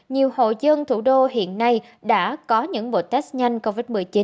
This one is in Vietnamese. nhiều hộ dân thủ đô hiện nay đã có những bộ test nhanh covid một mươi chín